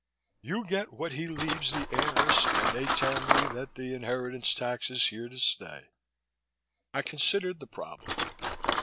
You get what he leaves the heirs and they tell me that the inheritance tax is here to stay." I considered the problem.